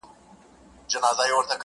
اوس چي د چا نرۍ ، نرۍ وروځو تـه گورمه زه